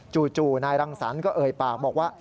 จู่นายรังสรรค์ก็เอ่ยปากบอกว่า